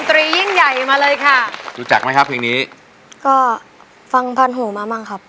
ตรียิ่งใหญ่มาเลยค่ะรู้จักไหมครับเพลงนี้ก็ฟังพันหูมาบ้างครับ